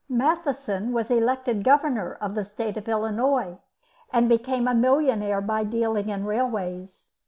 Matheson was elected Governor of the State of Illinois, and became a millionaire by dealing in railways.